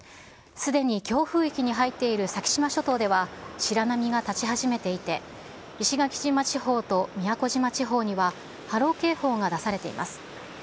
すでに強風域に入っている先島諸島では、白波が立ち始めていて、石垣島地方と宮古島地方には、波浪警報が出されています。